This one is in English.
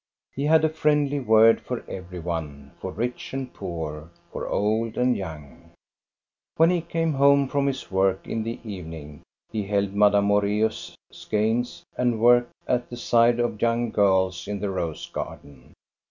He had a friendly word for every one, for rich and poor, for old and young. MAMSELLE MARIE 239 When he came home from his work in the evening, he held Madame Moreus' skeins, and worked at the side of young girls in the rose garden.